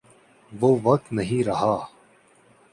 وہ وقت نہیں رہا۔